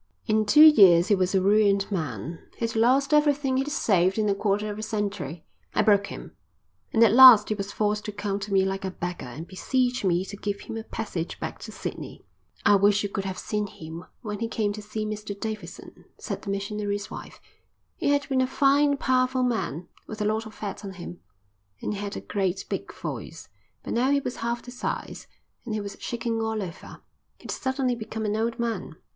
"In two years he was a ruined man. He'd lost everything he'd saved in a quarter of a century. I broke him, and at last he was forced to come to me like a beggar and beseech me to give him a passage back to Sydney." "I wish you could have seen him when he came to see Mr Davidson," said the missionary's wife. "He had been a fine, powerful man, with a lot of fat on him, and he had a great big voice, but now he was half the size, and he was shaking all over. He'd suddenly become an old man."